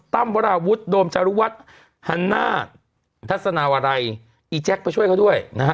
ตั้มวราวุทธ์โดรมชะลุวัสต์หันหน้าทัศนาวัรัยอีแจ๊คไปช่วยเขาด้วยนะฮะ